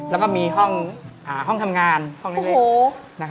แล้วก็มีห้องทำงานห้องนี้